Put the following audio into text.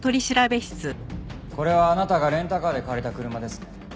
これはあなたがレンタカーで借りた車ですね。